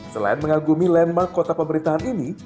selain mengagumi lembang kota pemerintahan ini